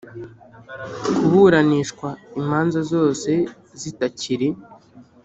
Kuburanishwa imanza zose zitakiri